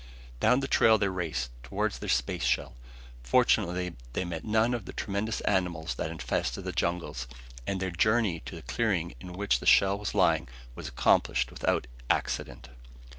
Down the trail they raced, toward their space shell. Fortunately they met none of the tremendous animals that infested the jungles; and their journey to the clearing in which the shell was lying was accomplished without accident.